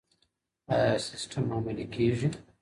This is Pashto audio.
ایا سیستم عملي کیږي؟